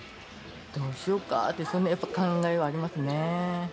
どうしよっかって、やっぱ、そんな考えはありますね。